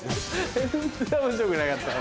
全然面白くなかったな。